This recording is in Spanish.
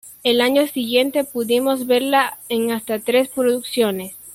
El año siguiente pudimos verla en hasta tres producciones.